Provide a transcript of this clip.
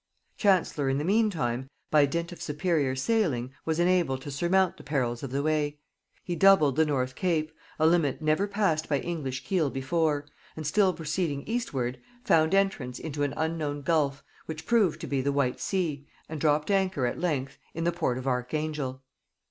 Chancellor in the mean time, by dint of superior sailing, was enabled to surmount the perils of the way. He doubled the North Cape, a limit never passed by English keel before, and still proceeding eastward, found entrance into an unknown gulf, which proved to be the White Sea, and dropped anchor at length in the port of Archangel.